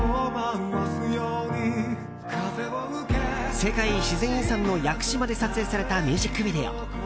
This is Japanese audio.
世界自然遺産の屋久島で撮影されたミュージックビデオ。